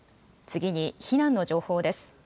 次に、避難の情報です。